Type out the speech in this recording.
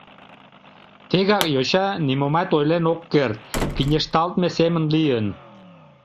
Тегак йоча нимомат ойлен ок керт, пинешталтме семын лийын.